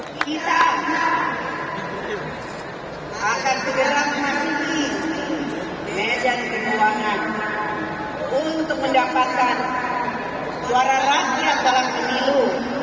kita akan segera memasuki medan perjuangan untuk mendapatkan suara rakyat dalam pemilu